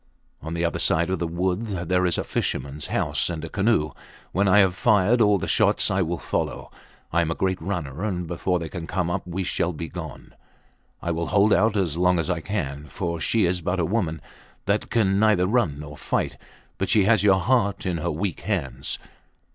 On the other side of that wood there is a fishermans house and a canoe. When I have fired all the shots I will follow. I am a great runner, and before they can come up we shall be gone. I will hold out as long as I can, for she is but a woman that can neither run nor fight, but she has your heart in her weak hands.